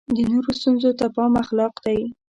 د نورو ستونزو ته پام اخلاق دی.